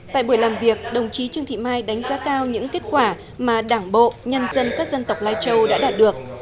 tại buổi làm việc đồng chí trương thị mai đánh giá cao những kết quả mà đảng bộ nhân dân các dân tộc lai châu đã đạt được